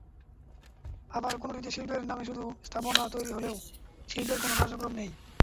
আবার কোনোটিতে শিল্পের নামে শুধু স্থাপনা তৈরি হলেও শিল্পের কোনো কার্যক্রম নেই।